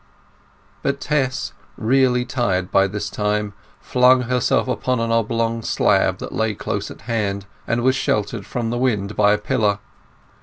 But Tess, really tired by this time, flung herself upon an oblong slab that lay close at hand, and was sheltered from the wind by a pillar.